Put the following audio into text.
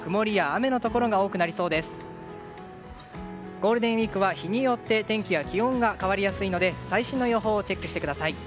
ゴールデンウィークは日によって天気や気温が変わりやすいので最新の予報をチェックしてください。